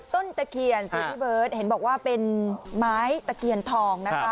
ต้นตะเขียนสิทธิเบิร์ธเป็นไม้ตะเขียนทอง